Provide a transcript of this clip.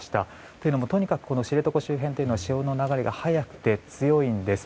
というのも、とにかく知床周辺というのは潮の流れが速くて強いんです。